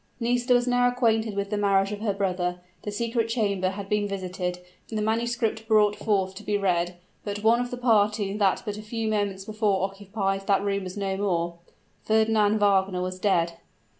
Nisida was now acquainted with the marriage of her brother, the secret chamber had been visited, the manuscript brought forth to be read; but one of the party that but a few moments before occupied that room was no more Fernand Wagner was dead!